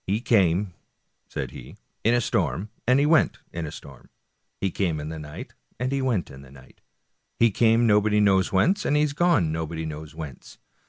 " He came," said he, " in a storm, and he went in a storm; he came in the night, and he went in the night; he came nobody knows whence, and he has gone nobody knows where.